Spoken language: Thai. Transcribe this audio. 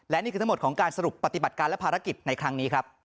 และนี่คือทั้งหมดของการสรุปปฏิบัติการและภารกิจในครั้งนี้ครับ